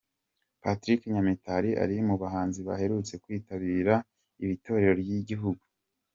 Patrick Nyamitali ari mu bahanzi baherutse kwitabita itorero ry’igihugu.